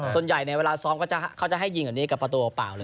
ส่วนใหญ่ในเวลาซ้อมเขาจะให้ยิงอย่างนี้กับประตูหรือเปล่าเลย